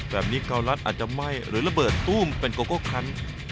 แบบนี้กาวรัสอาจจะไหม้หรือระเบิดตู้มเป็นโกโกคัน